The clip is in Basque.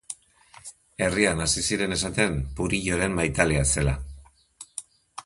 Herrian hasi ziren esaten Purilloren maitalea zela.